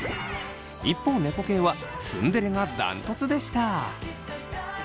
一方猫系はツンデレがダントツでした！